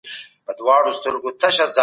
ایا د سهار وختي پاڅېدل انسان تازه ساتي؟